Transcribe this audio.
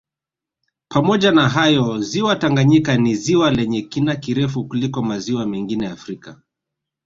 Pamoja na hayo ziwa Tanganyika ni ziwa lenye kina kirefu kuliko maziwa mengine Afrika